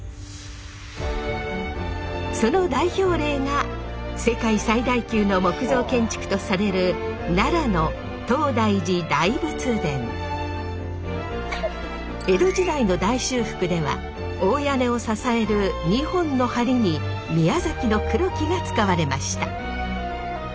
その代表例が世界最大級の木造建築とされる江戸時代の大修復では大屋根を支える２本の梁に宮崎の黒木が使われました。